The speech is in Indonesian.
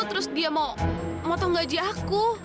terus dia mau mau tonggaji aku